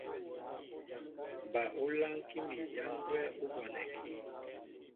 Ba ú lánkí mi ján gwɛ́ ní bonɛkí.